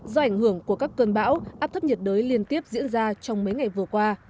do ảnh hưởng của các cơn bão áp thấp nhiệt đới liên tiếp diễn ra trong mấy ngày vừa qua